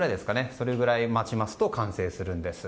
それぐらい待ちますと完成するんです。